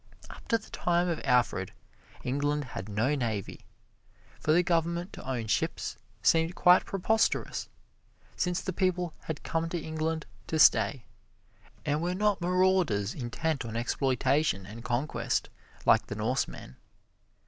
Up to the time of Alfred, England had no navy. For the government to own ships seemed quite preposterous, since the people had come to England to stay, and were not marauders intent on exploitation and conquest, like the Norsemen.